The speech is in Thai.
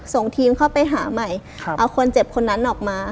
ส่งทีมเข้าไปหาใหม่เอาคนเจ็บคนนั้นออกมา